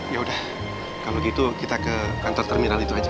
yaudah kalau gitu kita ke kantor terminal itu aja